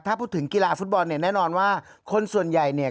ถ้าพูดถึงกีฬาฟุตบอลเนี่ยแน่นอนว่าคนส่วนใหญ่เนี่ย